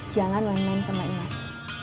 jangan main main sama imas